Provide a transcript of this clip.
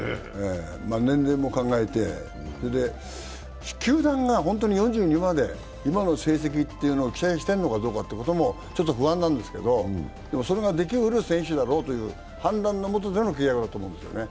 年齢も考えて、球団が本当に４２まで今の成績というのを期待してるのかどうかというのもちょっと不安なんですけどそれができうる選手だろうという判断のもとでの契約だと思うんですね。